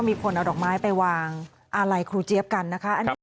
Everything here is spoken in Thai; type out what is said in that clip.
มีคนเอาดอกไม้ไปวางอาลัยครูเจี๊ยบกันนะคะ